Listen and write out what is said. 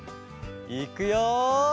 いくよ！